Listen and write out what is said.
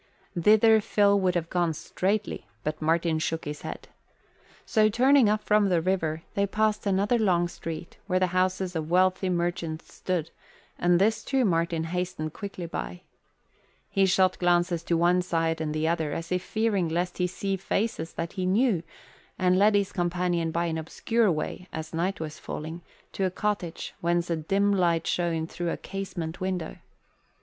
Thither Phil would have gone straightly but Martin shook his head. So turning up from the river, they passed another long street, where the houses of wealthy merchants stood, and this, too, Martin hastened quickly by. He shot glances to one side and the other as if fearing lest he see faces that he knew, and led his companion by an obscure way, as night was falling, to a cottage whence a dim light shone through a casement window.